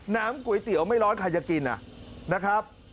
ก๋วยเตี๋ยวไม่ร้อนใครจะกินนะครับ